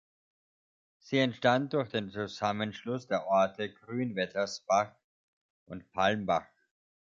Sie entstand durch den Zusammenschluss der Orte Grünwettersbach und Palmbach.